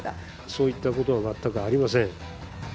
そういったことは全くありません。